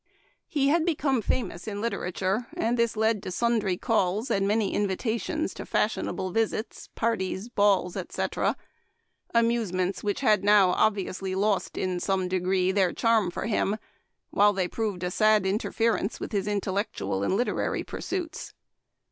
He had be come famous in literature, and this led to sundry calls, and many invitations to fashionable visits, parties, balls, etc. ; amusements which had now obviously lost, in some degree, their charm for him, while they proved a sad interference with his intellectual and literary pursuits.